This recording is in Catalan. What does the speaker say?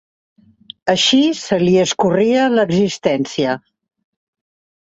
Així se li escorria l'existència